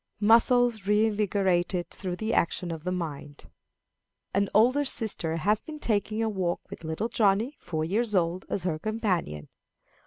Muscles reinvigorated through the Action of the Mind. An older sister has been taking a walk, with little Johnny, four years old, as her companion.